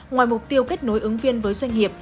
ngoài mục tiêu kết nối ứng viên với doanh nghiệp